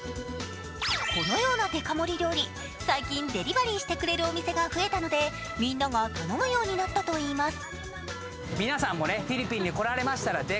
このようなデカ盛り料理、最近、デリバリーしてくれるお店が増えたのでみんなが頼むようになったといいます。